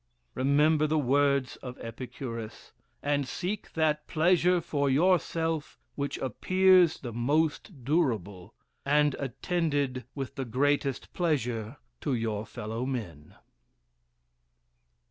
Remember the words of Epicurus, and seek that pleasure for yourself which appears the most durable, and attended with the greatest pleasure to your fellow men.